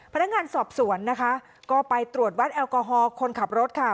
พนักงานสอบสวนนะคะก็ไปตรวจวัดแอลกอฮอลคนขับรถค่ะ